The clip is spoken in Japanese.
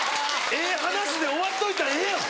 ええ話で終わっといたらええやん。